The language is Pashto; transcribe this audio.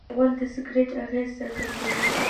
غول د سګرټ اغېز څرګندوي.